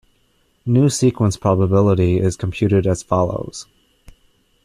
New sequence probability is computed as follows.